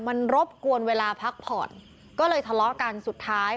มันรบกวนเวลาพักผ่อนก็เลยทะเลาะกันสุดท้าย